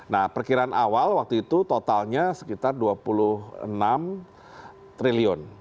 nah perkiraan awal waktu itu totalnya sekitar dua puluh enam triliun